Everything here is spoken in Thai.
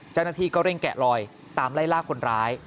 เจ้าหน้าที่ก็เร่งแกะลอยตามไล่ล่าคนร้าย